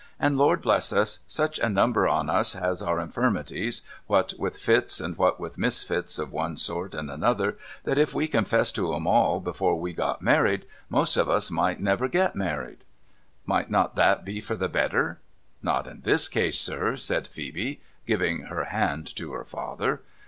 And Lord bless us ! Such a number on us has our infirmities, what with fits, and what with misfits, of one sort and another, that if we confessed to 'em all before we got married, most of us might never get married.' ' Might not that be for the better ?'' Not in this case, sir,' said Phoebe, giving her hand to her father.